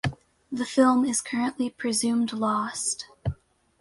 The film is currently presumed lost.